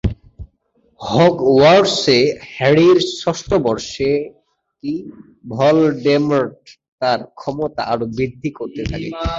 হগওয়ার্টসে হ্যারির ষষ্ঠ বর্ষে ভলডেমর্ট তার ক্ষমতা আরো বৃদ্ধি করতে থাকে।